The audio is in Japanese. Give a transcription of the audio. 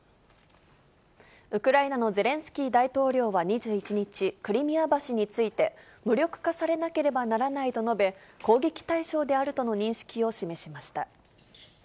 ウクライナのゼレンスキー大統領は２１日、クリミア橋について、無力化されなければならないと述べ、攻撃対象であるとの認識を示しました。